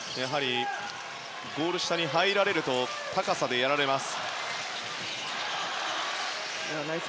ゴール下に入られると高さでやられます。